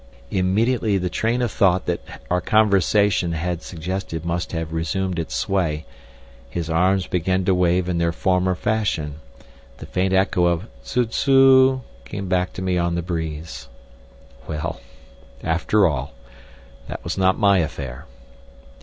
Immediately the train of thought that our conversation had suggested must have resumed its sway. His arms began to wave in their former fashion. The faint echo of "zuzzoo" came back to me on the breeze.... Well, after all, that was not my affair....